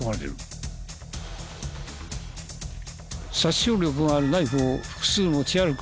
殺傷力があるナイフを複数持ち歩く